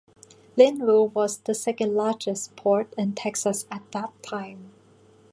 Linnville was the second largest port in Texas at that time.